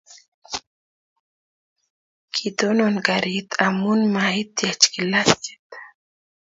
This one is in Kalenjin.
kitonon karit omu maityech klachit